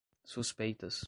suspeitas